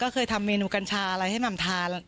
เคยทำเมนูกัญชาอะไรให้หม่ำทาน